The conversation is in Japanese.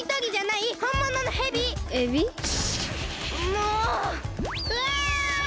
もううわ！